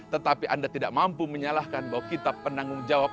tetapi anda tidak mampu menyalahkan bahwa kita penanggung jawab